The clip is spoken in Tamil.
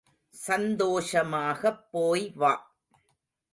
சந்தோஷமாகப் போய் வா.